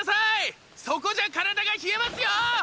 そこじゃ体が冷えますよ！